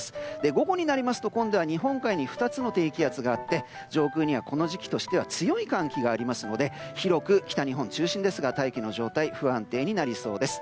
午後になりますと今度は日本海に２つの低気圧があって上空にはこの時期としては強い寒気がありますので広く北日本中心ですが大気の状態が不安定になりそうです。